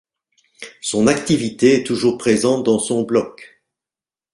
Son activité est toujours présente dans son blog.